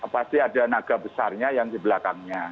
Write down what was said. pasti ada naga besarnya yang di belakangnya